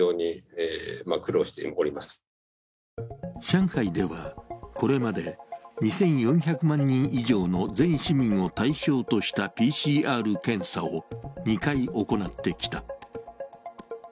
上海ではこれまで２４００万人以上の全市民を対象としたＰＣＲ検査を２回行ってきた。